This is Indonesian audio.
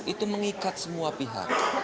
itu mengikat semua pihak